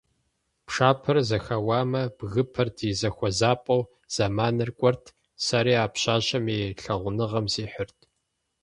Пшапэр зэхэуамэ, бгыпэр ди зэхуэзапӀэу зэманыр кӀуэрт, сэри а пщащэм и лъагъуныгъэм сихьырт.